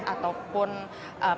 ataupun dari zumi zola